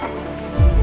ibu sekalian ini